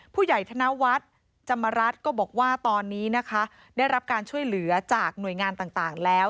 ธนวัฒน์จำรัฐก็บอกว่าตอนนี้นะคะได้รับการช่วยเหลือจากหน่วยงานต่างแล้ว